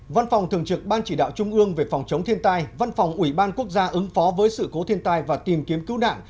văn phòng thường trực ban chỉ đạo trung ương về phòng chống thiên tai văn phòng ủy ban quốc gia ứng phó với sự cố thiên tai và tìm kiếm cứu nạn